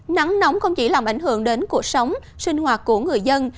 nắng nóng không chỉ làm ảnh hưởng đến cuộc sống sinh hoạt của người dân